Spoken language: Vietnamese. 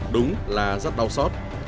đúng là rất đau xót